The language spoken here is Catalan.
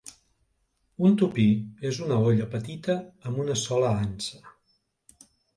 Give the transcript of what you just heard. Un tupí és una olla petita amb una sola ansa.